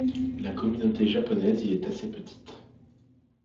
La communauté japonaise y est assez petite.